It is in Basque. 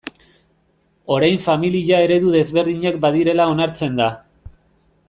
Orain familia eredu desberdinak badirela onartzen da.